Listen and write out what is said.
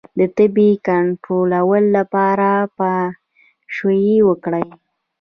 د تبې د کنټرول لپاره پاشویه وکړئ